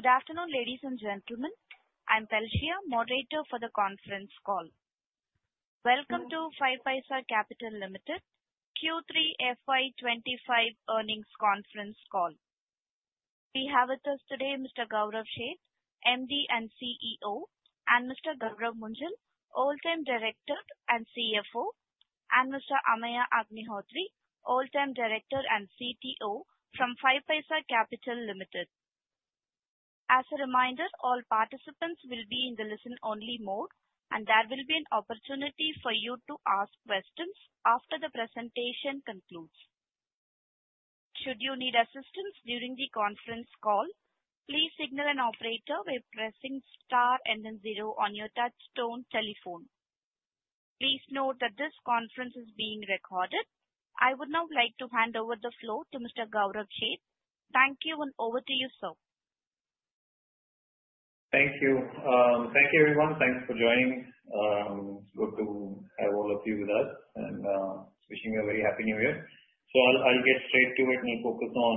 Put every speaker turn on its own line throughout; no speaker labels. Good afternoon, ladies and gentlemen. I'm Pelshia, moderator for the conference call. Welcome to 5paisa Capital Limited FY2025 earnings conference call. We have with us today Mr. Gaurav Seth, MD and CEO, and Mr. Gourav Munjal, Whole-Time Director and CFO, and Mr. Ameya Agnihotri, Whole-Time Director and CTO from 5paisa Capital Limited. As a reminder, all participants will be in the listen-only mode, and there will be an opportunity for you to ask questions after the presentation concludes. Should you need assistance during the conference call, please signal an operator by pressing star and then zero on your touch-tone telephone. Please note that this conference is being recorded. I would now like to hand over the floor to Mr. Gaurav Seth. Thank you, and over to you, sir.
Thank you. Thank you, everyone. Thanks for joining. It's good to have all of you with us, and wishing you a very happy New Year. So I'll get straight to it and focus on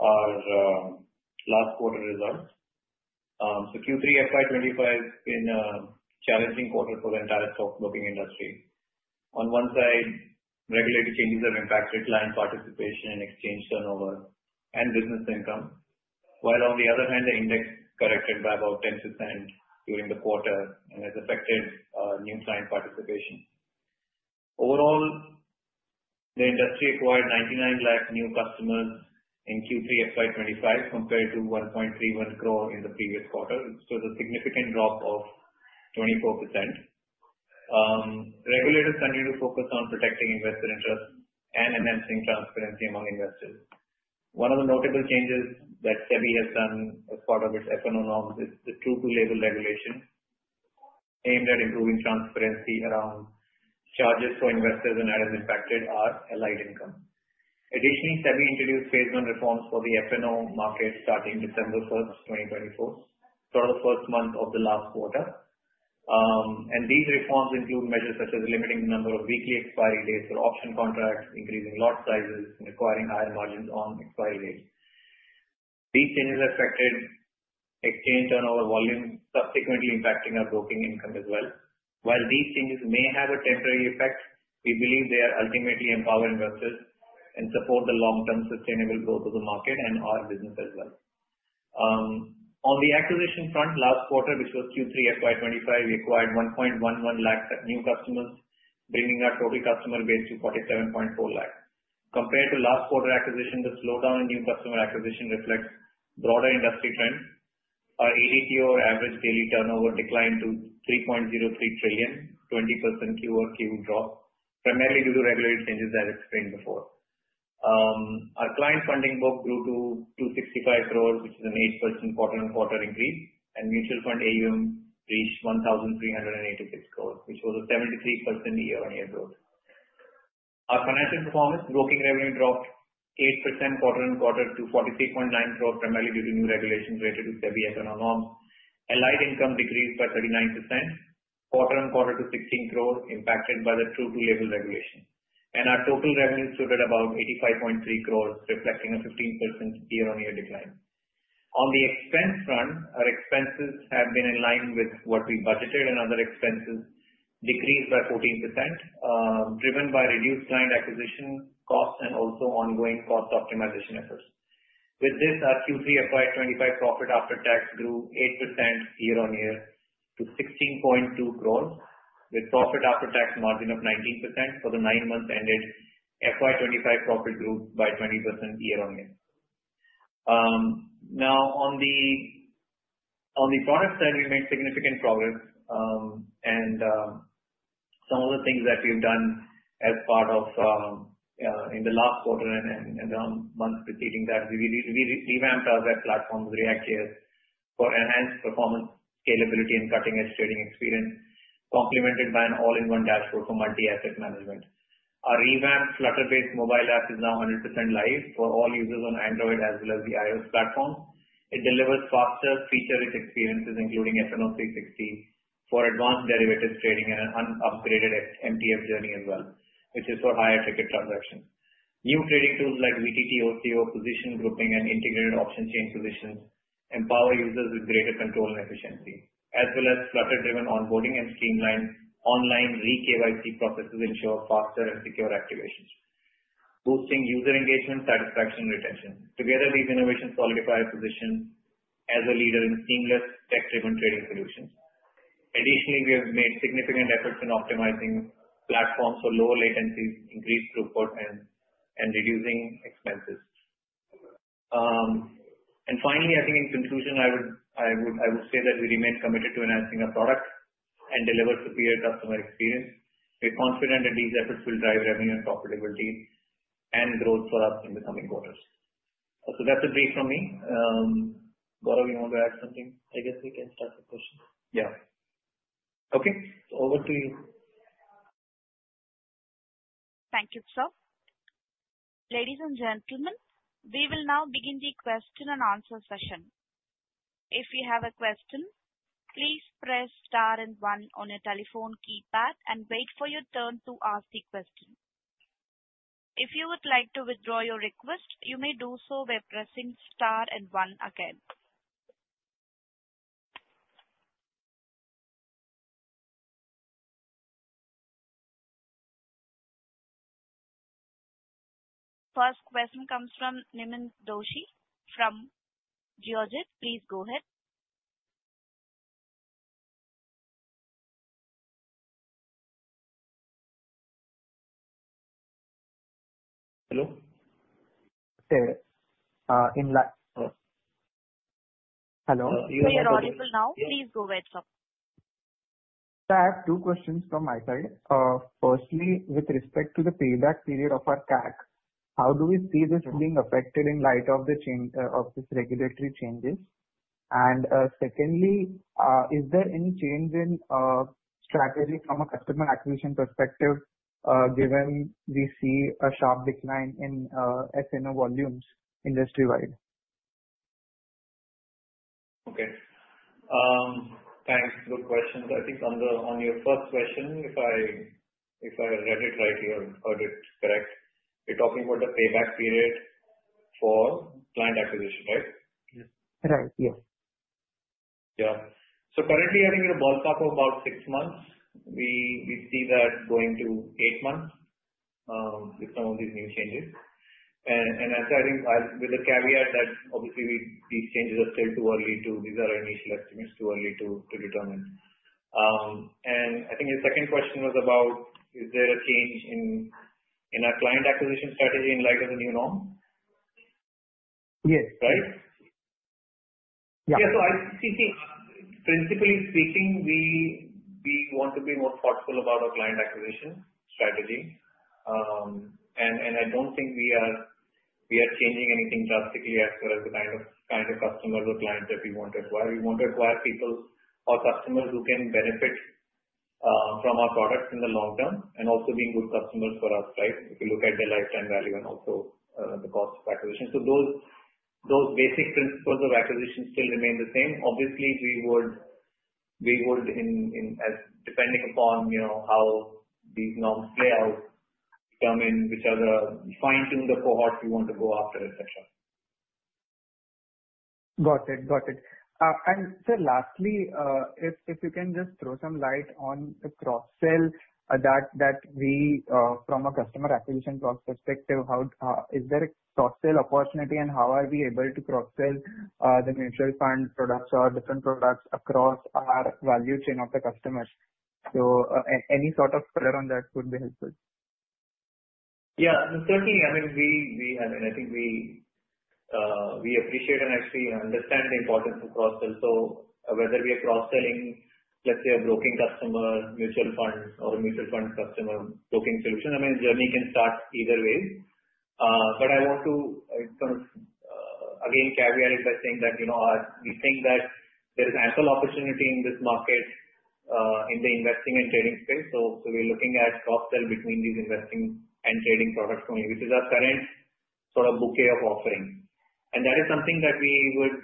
our last quarter results. FY2025 has been a challenging quarter for the entire stock broking industry. On one side, regulatory changes have impacted client participation and exchange turnover and business income, while on the other hand, the index corrected by about 10% during the quarter and has affected new client participation. Overall, the industry acquired 99 lakh new customers in FY2025 compared to 1.31 crore in the previous quarter. It's a significant drop of 24%. Regulators continue to focus on protecting investor interests and enhancing transparency among investors. One of the notable changes that SEBI has done as part of its F&O norms is the true-to-label regulation aimed at improving transparency around charges for investors, and additionally impacted our allied income. Additionally, SEBI introduced phase one reforms for the F&O market starting December 1, 2024, for the first month of the last quarter. These reforms include measures such as limiting the number of weekly expiry dates for option contracts, increasing lot sizes, and requiring higher margins on expiry dates. These changes affected exchange turnover volume, subsequently impacting our broking income as well. While these changes may have a temporary effect, we believe they ultimately empower investors and support the long-term sustainable growth of the market and our business as well. On the acquisition front, last quarter, which was FY2025, we acquired 1.11 lakh new customers, bringing our total customer base to 47.4 lakh. Compared to last quarter acquisition, the slowdown in new customer acquisition reflects broader industry trends. Our ADTO average daily turnover declined to 3.03 trillion, 20% Q over Q drop, primarily due to regulatory changes as explained before. Our client funding book grew to 265 crore, which is an 8% quarter-on-quarter increase, and mutual fund AUM reached 1,386 crore, which was a 73% year-on-year growth. Our financial performance: broking revenue dropped 8% quarter-on-quarter to 43.9 crore, primarily due to new regulations related to SEBI F&O norms. Allied income decreased by 39%, quarter-on-quarter to 16 crore, impacted by the true-to-label regulation, and our total revenue stood at about 85.3 crore, reflecting a 15% year-on-year decline. On the expense front, our expenses have been in line with what we budgeted, and other expenses decreased by 14%, driven by reduced client acquisition costs and also ongoing cost optimization efforts. With this, our FY2025 profit after tax grew 8% year-on-year to 16.2 crore, with profit after tax margin of 19% for the nine months FY2025, profit grew by 20% year-on-year. Now, on the product side, we made significant progress, and some of the things that we've done as part of in the last quarter and the months preceding that, we revamped our web platform with React for enhanced performance, scalability, and cutting-edge trading experience, complemented by an all-in-one dashboard for multi-asset management. Our revamped Flutter-based mobile app is now 100% live for all users on Android as well as the iOS platform. It delivers faster, feature-rich experiences, including F&O 360 for advanced derivatives trading and an upgraded MTF journey as well, which is for higher ticket transactions. New trading tools like GTT OCO, position grouping, and integrated option chain positions empower users with greater control and efficiency. As well as Flutter-driven onboarding and streamlined online RE-KYC processes ensure faster and secure activations, boosting user engagement, satisfaction, and retention. Together, these innovations solidify our position as a leader in seamless, tech-driven trading solutions. Additionally, we have made significant efforts in optimizing platforms for low latencies, increased throughput, and reducing expenses. And finally, I think in conclusion, I would say that we remain committed to enhancing our product and delivering a superior customer experience. We're confident that these efforts will drive revenue and profitability and growth for us in the coming quarters. So that's a brief from me. Gourav, you want to add something? I guess we can start with questions. Yeah.
Okay. Over to you. Thank you, sir. Ladies and gentlemen, we will now begin the question-and-answer session. If you have a question, please press star and one on your telephone keypad and wait for your turn to ask the question. If you would like to withdraw your request, you may do so by pressing star and one again. First question comes from Nemin Doshi from Geojit Financial Services. Please go ahead.
Hello?
Hello. We are audible now. Please go ahead, sir.
So I have two questions from my side. Firstly, with respect to the payback period of our CAC, how do we see this being affected in light of the regulatory changes? And secondly, is there any change in strategy from a customer acquisition perspective, given we see a sharp decline in F&O volumes industry-wide?
Okay. Thanks. Good question. I think on your first question, if I read it right, you heard it correct, you're talking about the payback period for client acquisition, right?
Yes.
Right. Yes.
Yeah. So currently, I think we're ballpark of about six months. We see that going to eight months with some of these new changes. And I think with the caveat that obviously these changes are still too early to determine. These are initial estimates. And I think your second question was about, is there a change in our client acquisition strategy in light of the new norm?
Yes.
Right?
Yeah.
Yeah, so I think, principally speaking, we want to be more thoughtful about our client acquisition strategy, and I don't think we are changing anything drastically as far as the kind of customers or clients that we want to acquire. We want to acquire people or customers who can benefit from our products in the long term and also being good customers for us, right, if you look at their lifetime value and also the cost of acquisition, so those basic principles of acquisition still remain the same. Obviously, we would, depending upon how these norms play out, determine which other fine-tune the cohort we want to go after, etc.
Got it. Got it. And sir, lastly, if you can just throw some light on the cross-sell that we from a customer acquisition perspective, is there a cross-sell opportunity and how are we able to cross-sell the mutual fund products or different products across our value chain of the customers? So any sort of color on that would be helpful.
Yeah. Certainly, I mean, we have and I think we appreciate and actually understand the importance of cross-sell. So whether we are cross-selling, let's say, a broking customer, mutual fund, or a mutual fund customer broking solution, I mean, the journey can start either way. But I want to kind of, again, caveat it by saying that we think that there is ample opportunity in this market in the investing and trading space. So we're looking at cross-sell between these investing and trading products only, which is our current sort of bouquet of offering, and that is something that we would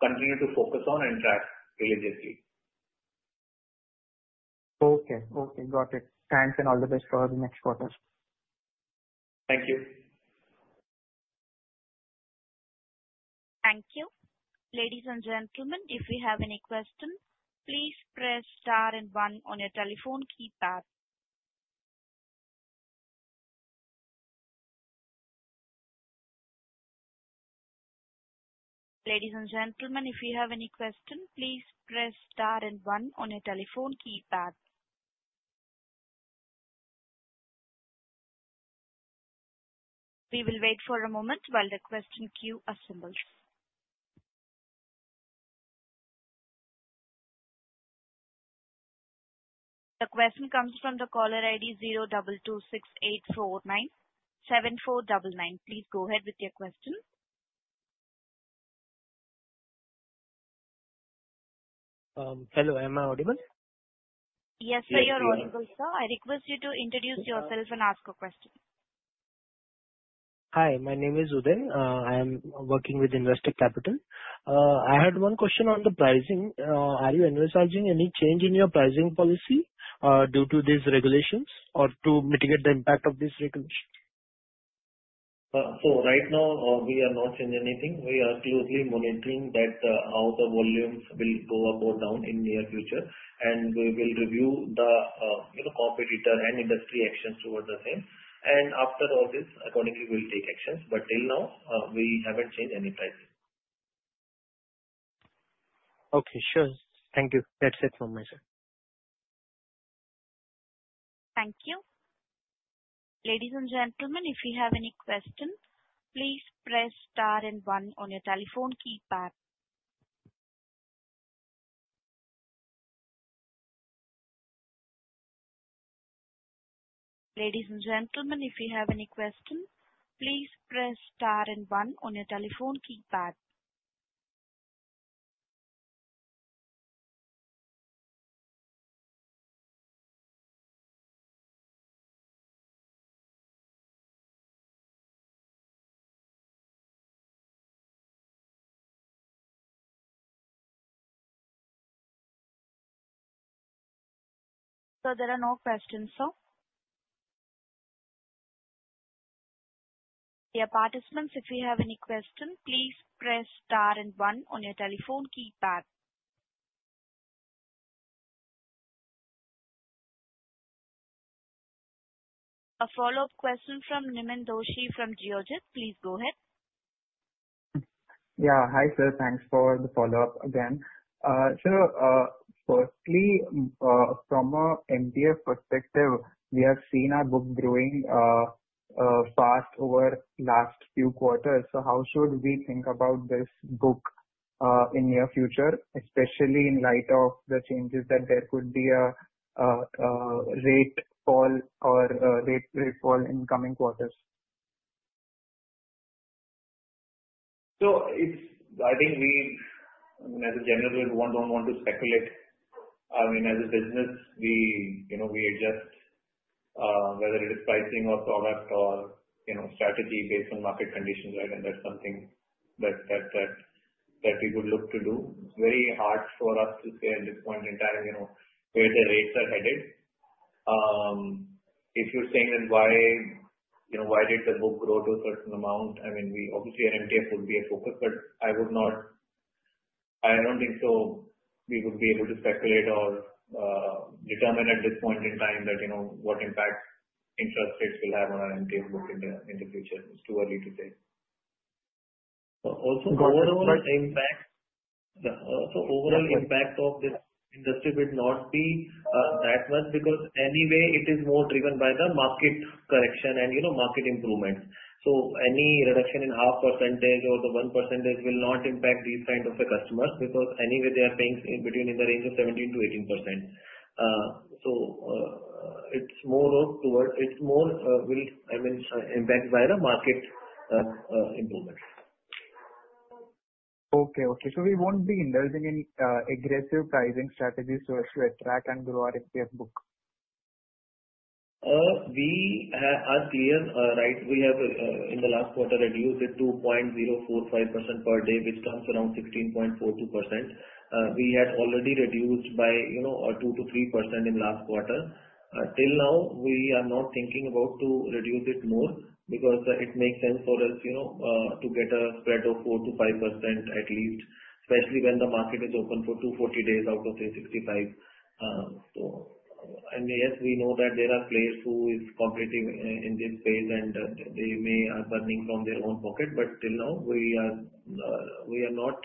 continue to focus on and track religiously.
Okay. Okay. Got it. Thanks and all the best for the next quarter.
Thank you.
Thank you. Ladies and gentlemen, if you have any questions, please press star and one on your telephone keypad. Ladies and gentlemen, if you have any questions, please press star and one on your telephone keypad. We will wait for a moment while the question queue assembles. The question comes from the caller ID 02268497499. Please go ahead with your question.
Hello. Am I audible?
Yes, sir, you're audible, sir. I request you to introduce yourself and ask a question.
Hi. My name is Uday. I am working with Investec Capital. I had one question on the pricing. Are you advertising any change in your pricing policy due to these regulations or to mitigate the impact of these regulations?
So right now, we are not changing anything. We are closely monitoring how the volumes will go up or down in the near future. And we will review the competitor and industry actions towards the same. And after all this, accordingly, we'll take actions. But till now, we haven't changed any pricing.
Okay. Sure. Thank you. That's it from me, sir.
Thank you. Ladies and gentlemen, if you have any questions, please press star and one on your telephone keypad. Ladies and gentlemen, if you have any questions, please press star and one on your telephone keypad. So there are no questions, sir. Dear participants, if you have any questions, please press star and one on your telephone keypad. A follow-up question from Nemin Doshi from Geojit Financial Services. Please go ahead.
Yeah. Hi, sir. Thanks for the follow-up again. Sir, firstly, from an MTF perspective, we have seen our book growing fast over the last few quarters. So how should we think about this book in the near future, especially in light of the changes that there could be a rate fall or rate fall in coming quarters?
So I think we, as a general, don't want to speculate. I mean, as a business, we adjust whether it is pricing or product or strategy based on market conditions, right? And that's something that we would look to do. It's very hard for us to say at this point in time where the rates are headed. If you're saying that, "Why did the book grow to a certain amount?" I mean, obviously, an MTF would be a focus, but I don't think so we would be able to speculate or determine at this point in time what impact interest rates will have on our MTF book in the future. It's too early to say. Also, the overall impact of this industry would not be that much because anyway, it is more driven by the market correction and market improvements. Any reduction in 0.5% or the 1% will not impact these kinds of customers because anyway, they are paying between in the range of 17%-18%. It's more towards. It's more impacted by the market improvements.
Okay. So we won't be indulging in aggressive pricing strategies to attract and grow our MTF book.
We are clear, right? We have, in the last quarter, reduced it 2.045% per day, which comes around 16.42%. We had already reduced by 2%-3% in the last quarter. Till now, we are not thinking about reducing it more because it makes sense for us to get a spread of 4%-5% at least, especially when the market is open for 240 days out of 365. And yes, we know that there are players who are competitive in this space, and they may be earning from their own pocket. But till now, we are not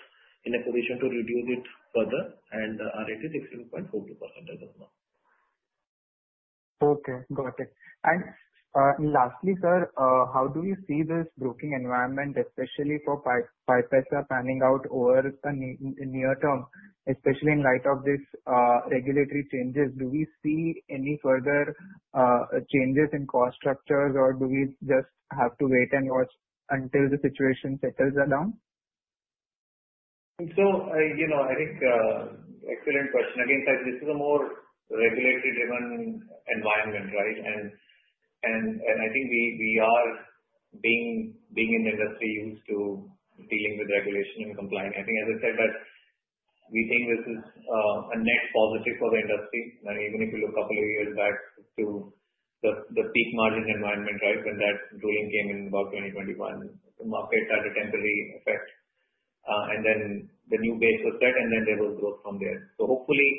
in a position to reduce it further, and our rate is 16.42% as of now.
Okay. Got it. And lastly, sir, how do we see this broking environment, especially for 5paisa, panning out over the near term, especially in light of these regulatory changes? Do we see any further changes in cost structures, or do we just have to wait and watch until the situation settles down?
So, I think excellent question. Again, this is a more regulatory-driven environment, right? And I think we are being in the industry used to dealing with regulation and compliance. I think, as I said, that we think this is a net positive for the industry. I mean, even if you look a couple of years back to the peak margin environment, right, when that ruling came in about 2021, the market had a temporary effect. And then the new base was set, and then there was growth from there. So hopefully,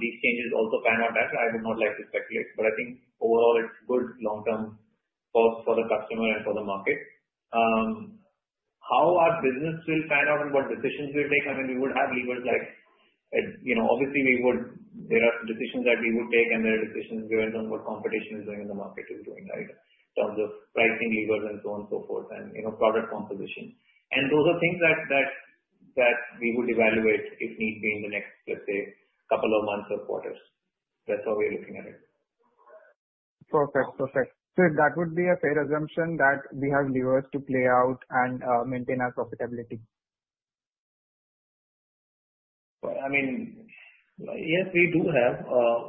these changes also pan out. I would not like to speculate. But I think overall, it's good long term for the customer and for the market. How our business will pan out and what decisions we'll take? I mean, we would have levers like obviously, there are decisions that we would take, and there are decisions depending on what competition is doing and the market is doing, right, in terms of pricing levers and so on and so forth and product composition, and those are things that we would evaluate if need be in the next, let's say, couple of months or quarters. That's how we're looking at it.
Perfect. Perfect. So that would be a fair assumption that we have levers to play out and maintain our profitability.
I mean, yes, we do have.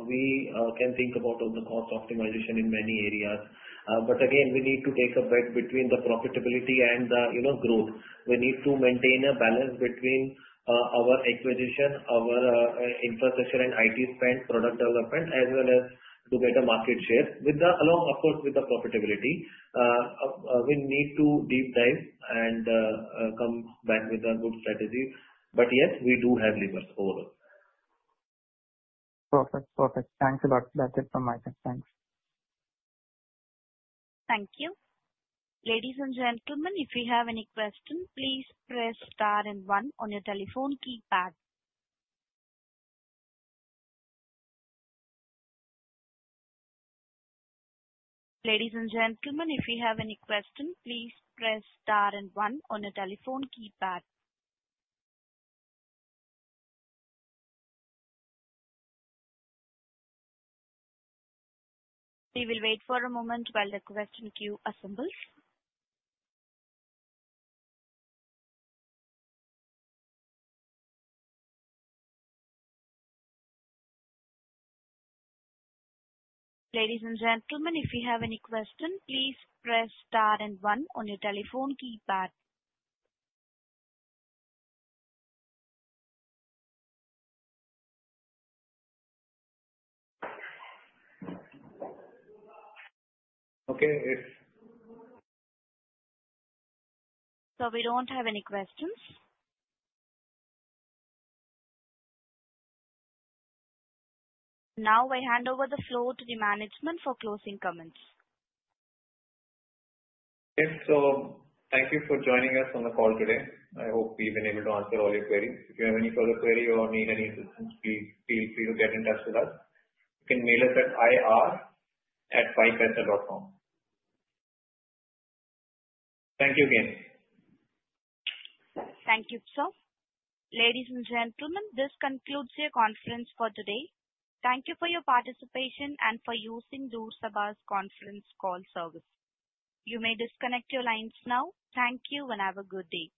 We can think about all the cost optimization in many areas. But again, we need to take a bet between the profitability and the growth. We need to maintain a balance between our acquisition, our infrastructure and IT spend, product development, as well as to get a market share along, of course, with the profitability. We need to deep dive and come back with a good strategy. But yes, we do have levers overall. Perfect. Perfect. Thanks a lot. That's it from my side. Thanks.
Thank you. Ladies and gentlemen, if you have any questions, please press star and one on your telephone keypad. Ladies and gentlemen, if you have any questions, please press star and one on your telephone keypad. We will wait for a moment while the question queue assembles. Ladies and gentlemen, if you have any questions, please press star and one on your telephone keypad.
Okay.
So we don't have any questions. Now, I hand over the floor to the management for closing comments.
Yes, so thank you for joining us on the call today. I hope we've been able to answer all your queries. If you have any further query or need any assistance, please feel free to get in touch with us. You can email us at ir@5paisa.com. Thank you again.
Thank you, sir. Ladies and gentlemen, this concludes the conference for today. Thank you for your participation and for using Door Sabha conference call service. You may disconnect your lines now. Thank you and have a good day.